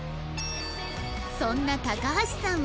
そんな高橋さんは